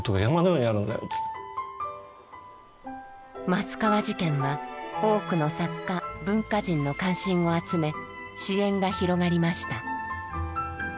松川事件は多くの作家文化人の関心を集め支援が広がりました。